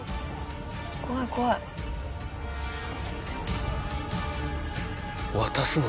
怖い怖い！渡すの？